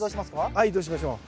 はい移動しましょう。